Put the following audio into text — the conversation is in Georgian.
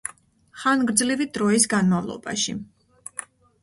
ხანგრძლივი დროის განმავლობაში.